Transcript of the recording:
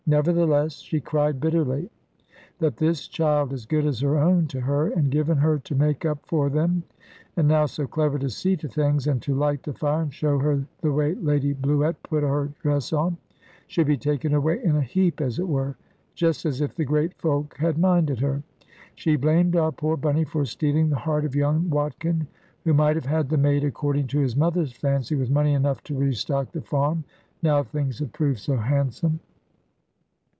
Nevertheless she cried bitterly that this child, as good as her own to her, and given her to make up for them, and now so clever to see to things, and to light the fire, and show her the way Lady Bluett put her dress on, should be taken away in a heap as it were, just as if the great folk had minded her. She blamed our poor Bunny for stealing the heart of young Watkin, who might have had the maid (according to his mother's fancy) with money enough to restock the farm, now things had proved so handsome.